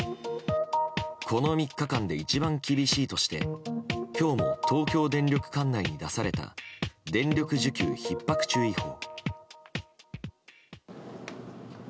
この３日間で一番厳しいとして今日も東京電力管内に出された電力需給ひっ迫注意報。